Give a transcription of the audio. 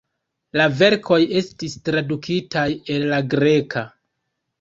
La verkoj estis tradukitaj el la greka.